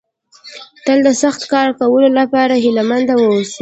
تل د سخت کار کولو لپاره هيله مند ووسئ.